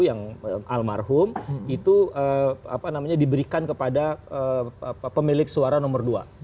yang almarhum itu diberikan kepada pemilik suara nomor dua